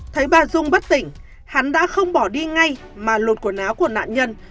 thấy bà dung bất tỉnh hắn đã không bỏ đi ngay mà lột quần áo của nạn nhân